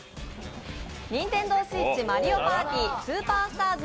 「ＮｉｎｔｅｎｄｏＳｗｉｔｃｈマリオパーティスーパースターズ」